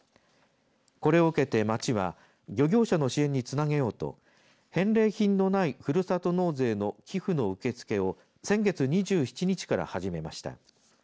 これを受けて町は漁業者の支援につなげようと返礼品のないふるさと納税の寄付の受け付けを先月２７日から始めました。